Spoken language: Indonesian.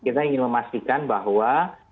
kita ingin memastikan bahwa